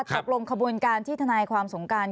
ตกลงขบวนการที่ทนายความสงการ